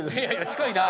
近いな。